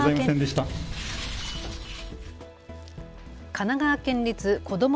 神奈川県立こども